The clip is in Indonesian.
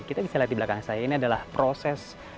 kita bisa lihat di belakang saya ini adalah proses